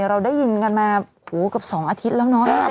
เราได้ยินกันมากับ๒อาทิตย์แล้ว